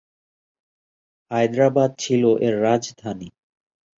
হায়দ্রাবাদ ছিল এর রাজধানী।